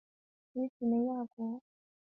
于几内亚国内另有同名城镇。